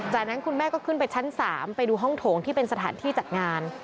จากนั้นคุณแม่ก็ขึ้นไปชั้น๓ไปดูห้องโถงที่เป็นสถานที่จัดงาน